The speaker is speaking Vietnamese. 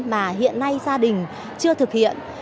mà hiện nay gia đình chưa thực hiện